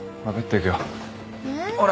ほら。